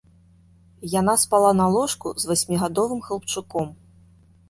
Яна спала на ложку з васьмігадовым хлапчуком.